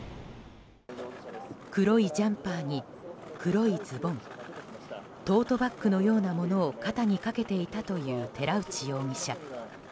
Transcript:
黒いジャンパーに黒いズボントートバッグのようなものを肩にかけていたという寺内容疑者。